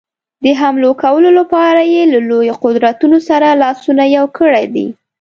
د حملو کولو لپاره یې له لویو قدرتونو سره لاسونه یو کړي دي.